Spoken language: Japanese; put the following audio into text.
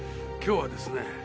今日はですね